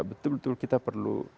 betul betul kita perlu